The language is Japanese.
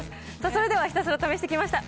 それではひたすら試してきました。